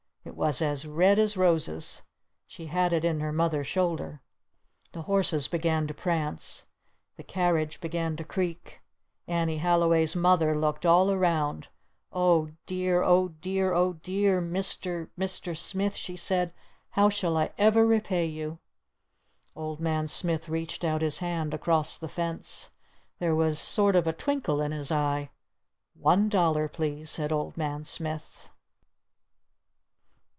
It was as red as roses. She had it in her Mother's shoulder. The horses began to prance. The carriage began to creak. Annie Halliway's Mother looked all around. "Oh, dear oh, dear oh, dear, Mr. Mr. Smith," she said. "How shall I ever repay you?" Old Man Smith reached out his hand across the fence. There was sort of a twinkle in his eye. "One dollar, please," said Old Man Smith.